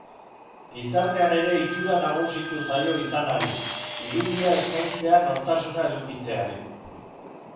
Gizartean ere itxura nagusitu zaio izanari, irudia eskaintzea nortasuna edukitzeari.